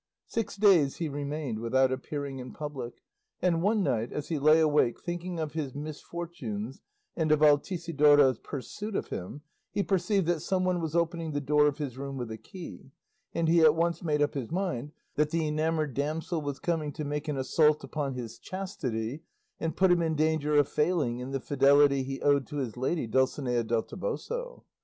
Six days he remained without appearing in public, and one night as he lay awake thinking of his misfortunes and of Altisidora's pursuit of him, he perceived that some one was opening the door of his room with a key, and he at once made up his mind that the enamoured damsel was coming to make an assault upon his chastity and put him in danger of failing in the fidelity he owed to his lady Dulcinea del Toboso.